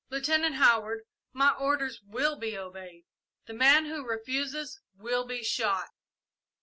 "Lieutenant Howard, my orders will be obeyed. The man who refuses will be shot."